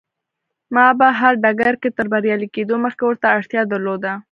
ما په هر ډګر کې تر بريالي کېدو مخکې ورته اړتيا درلوده.